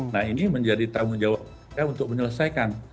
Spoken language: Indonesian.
nah ini menjadi tanggung jawabnya untuk menyelesaikan